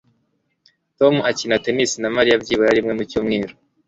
Tom akina tennis na Mariya byibura rimwe mu cyumweru.